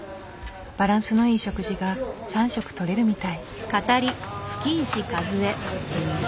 バランスのいい食事が３食とれるみたい。